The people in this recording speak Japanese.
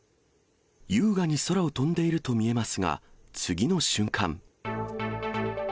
優雅に空を飛んでいると見えますが、次の瞬間。